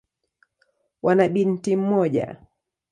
Wana binti mmoja.